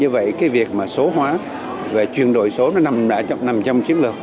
vì vậy việc số hóa và chuyển đổi số nằm trong chiến lược